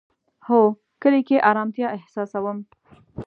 هو، کلی کی ارامتیا احساسوم